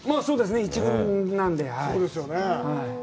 そうですね、１軍なので。